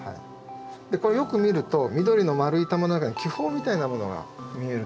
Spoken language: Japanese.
これよく見ると緑の丸い球の中に気泡みたいなものが見えると思うんですけども。